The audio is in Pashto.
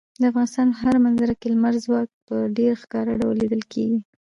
د افغانستان په هره منظره کې لمریز ځواک په ډېر ښکاره ډول لیدل کېږي.